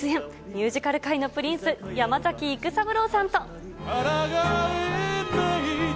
ミュージカル界のプリンス、山崎育三郎さんと。